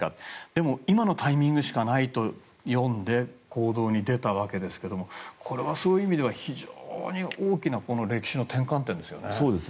でも、今のタイミングしかないと読んで行動に出たんですがこれはそういう意味では非常に大きな歴史の転換点ですよね。